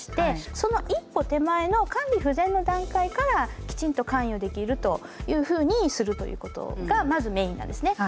その一歩手前の管理不全の段階からきちんと関与できるというふうにするということがまずメインなんですね。